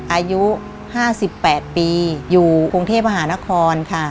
อายุห้าสิบแปดปีอยู่กรุงเทพภาษาหานครค่ะ